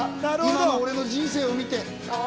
今の俺の人生を見て。